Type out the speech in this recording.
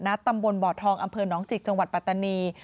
ตำบลบ่อทองอำเภอหนองจิกจังหวัดปัตตานี